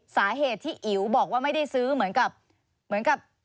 สาเหตุที่อิ๋วบอกว่าไม่ได้ซื้อเหมือนกับ